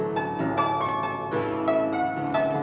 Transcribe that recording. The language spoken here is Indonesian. mbak desi nyanyi